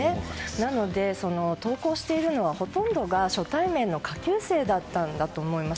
なので、登校しているのはほとんどが初対面の下級生だったと思います。